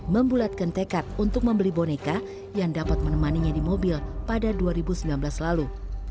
membulatkan tekad untuk membeli boneka yang dapat menemaninya di mobil pada dua ribu sembilan belas lalu